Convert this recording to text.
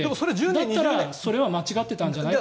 だったらそれは間違っていたんじゃないかと。